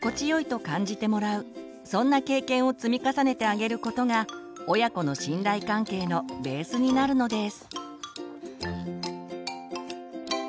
そんな経験を積み重ねてあげることが親子の信頼関係のベースになるのです。